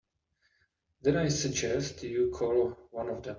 Then I suggest you call one of them.